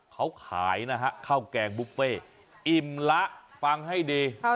เขาขายนะฮะข้าวแกงบุฟเฟ่อิ่มละฟังให้ดี